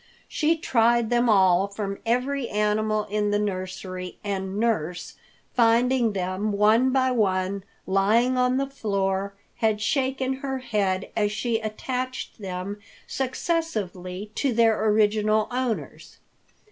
She tried them all from every animal in the nursery, and nurse, finding them one by one lying on the floor, had shaken her head as she attached them successively to their original owners.